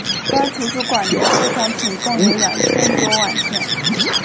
该图书馆的收藏品共有两千多万件。